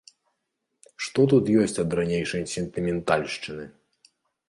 Што тут ёсць ад ранейшай сентыментальшчыны?